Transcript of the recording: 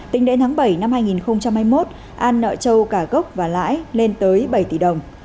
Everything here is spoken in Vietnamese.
tính đến tháng bảy năm hai nghìn hai mươi một an nợ trâu cả gốc và lãi lên tới bảy tỷ đồng